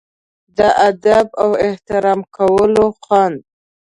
د ادب او احترام کولو خوند.